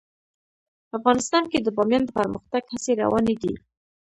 افغانستان کې د بامیان د پرمختګ هڅې روانې دي.